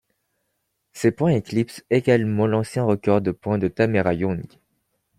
Ses points éclipsent également l'ancien record de points de Tamera Young.